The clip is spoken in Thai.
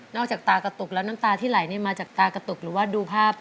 จากตากระตุกแล้วน้ำตาที่ไหลมาจากตากระตุกหรือว่าดูภาพ